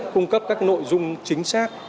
cung cấp các nội dung chính xác